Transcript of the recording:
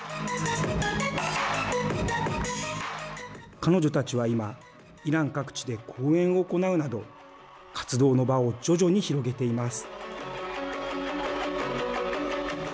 彼女たちは今イラン各地で公演を行うなど活動の場を徐々に広げています。